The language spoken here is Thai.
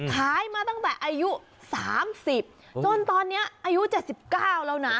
ขายมาตั้งแต่อายุ๓๐จนตอนนี้อายุ๗๙แล้วนะ